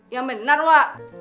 ya benar wak